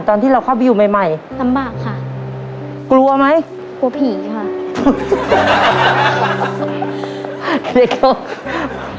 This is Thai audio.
ตอนที่เราเข้าไปอยู่ใหม่ใหม่ลำบากค่ะกลัวไหมกลัวผีค่ะ